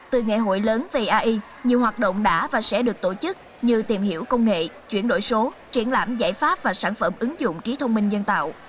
từ nghệ hội lớn về ai nhiều hoạt động đã và sẽ được tổ chức như tìm hiểu công nghệ chuyển đổi số triển lãm giải pháp và sản phẩm ứng dụng trí thông minh nhân tạo